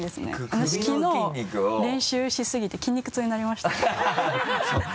私きのう練習しすぎて筋肉痛になりましたもん。